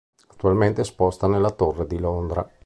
Attualmente è esposta nella Torre di Londra.